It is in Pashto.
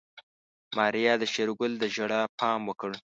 ماريا د شېرګل د ژړا پام وکړ.